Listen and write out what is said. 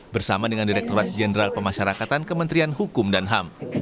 bersama dengan direkturat jenderal pemasyarakatan kementerian hukum dan ham